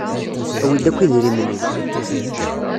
Awi-d akk idrimen-im!